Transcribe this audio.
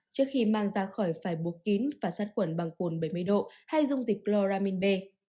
trước khi mang ra khỏi phải buộc kín và sát quần bằng quần bảy mươi độ hay dung dịch chloramine b